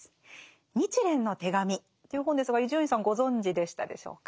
「日蓮の手紙」という本ですが伊集院さんご存じでしたでしょうか？